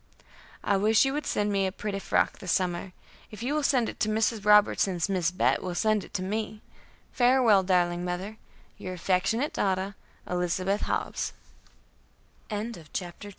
"I wish you would send me a pretty frock this summer; if you will send it to Mrs. Robertson's Miss Bet will send it to me. "Farewell, darling mother. "Your affectionate daughter, "ELIZABETH HOBBS." [Footnote A: March, 1868.